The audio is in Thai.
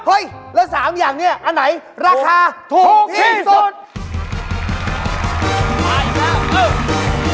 เฮ้ยแล้ว๓อย่างนี้อันไหนราคาถูกที่สุด